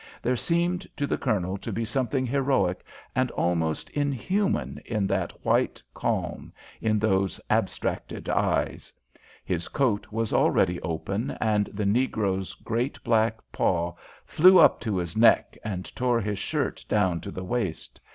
There seemed to the Colonel to be something heroic and almost inhuman in that white calm, and those abstracted eyes. His coat was already open, and the negro's great black paw flew up to his neck and tore his shirt down to the waist.